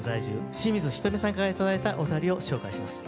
清水ひとみさんから頂いたお便りを紹介します。